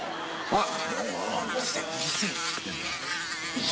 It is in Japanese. あっ。